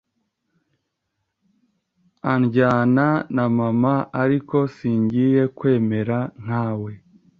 andyana na mama ariko singiye kumera nka we